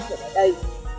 trong ngày đây